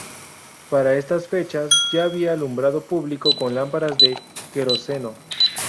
Para estas fechas ya había alumbrado público con lámparas de queroseno.